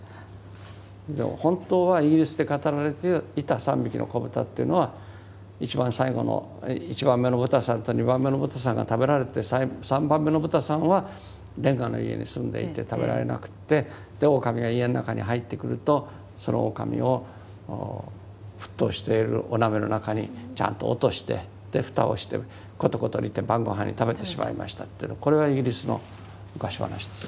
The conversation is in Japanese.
でも本当はイギリスで語られていた「三びきのこぶた」っていうのは一番最後の１番目の豚さんと２番目の豚さんが食べられて３番目の豚さんはレンガの家に住んでいて食べられなくってオオカミが家の中に入ってくるとそのオオカミを沸騰しているお鍋の中にちゃんと落として蓋をしてコトコト煮て晩ごはんに食べてしまいましたっていうのこれがイギリスの昔話です。